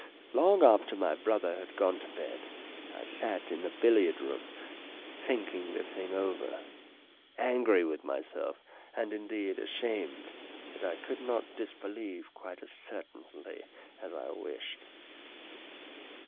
Long after my brother had gone to bed I sat in the billiard room thinking the thing over, angry with myself, and, indeed, ashamed, that I could not disbelieve quite as certainly as I wished.